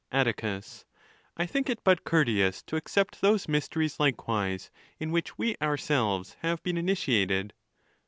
Atticus.—I think it but courteous to except those mysteries likewise, in which we ourselves have been initiated.